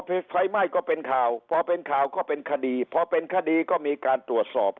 พอไฟไหม้ก็เป็นข่าวก็เป็นคดีก็เป็นคดีก็มีการตรวจสอบ